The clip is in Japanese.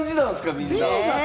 みんな。